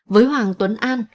với hoàng tuấn an